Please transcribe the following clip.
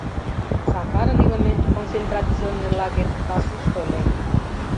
Сакарын илыме концентрационный лагерь пасушто ыле.